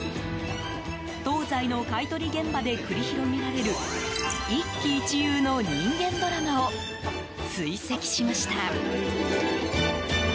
東西の買い取り現場で繰り広げられる一喜一憂の人間ドラマを追跡しました。